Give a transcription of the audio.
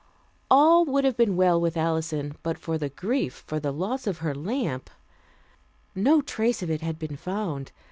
All would have been well with Alison, but for the grief for the loss of her lamp. No trace of it had been found.